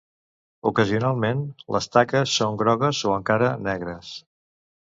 Ocasionalment, les taques són grogues o encara negres.